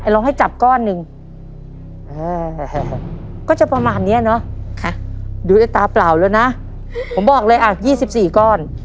ลองให้จับก้อนหนึ่งก็จะประมาณนี้เนอะดูด้วยตาเปล่าแล้วนะผมบอกเลย๒๔ก้อน